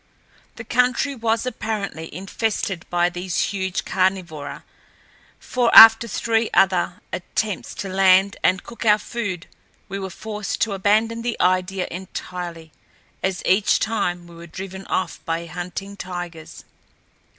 The country was apparently infested by these huge Carnivora, for after three other attempts to land and cook our food we were forced to abandon the idea entirely, as each time we were driven off by hunting tigers.